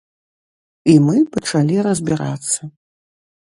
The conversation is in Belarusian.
І мы пачалі разбірацца.